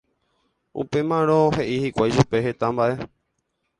Upémarõ he'i hikuái chupe heta mba'e